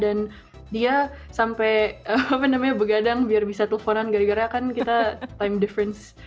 dan dia sampai begadang biar bisa telfonan gara gara kan kita time difference